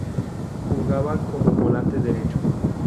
Jugaba como volante derecho.